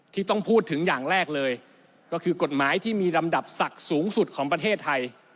ที่ต้องพูดถึงอย่างแรกเลยก็คือกฎหมายที่มีลำดับศักดิ์สูงสุดของประเทศไทย